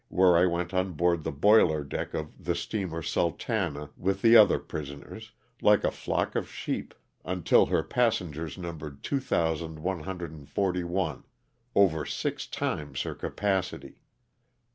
where I went on board the boiler deck of the steamer *' Sultana" with the other prisoners, like a flock of sheep, until her passengers numbered 2,141, over six times her capacity.